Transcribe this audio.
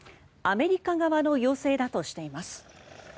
アメリカ側の要請だとしています。